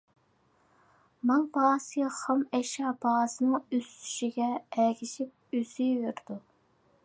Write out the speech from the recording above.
مال باھاسى خام ئەشيا باھاسىنىڭ ئۆسۈشىگە ئەگىشىپ ئۆسۈۋېرىدۇ.